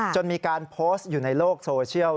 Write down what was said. จนมีการโพสต์อยู่ในโลกโซเชียล